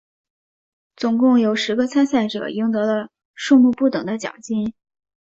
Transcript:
总共有十个参赛者赢得了数目不等的奖金。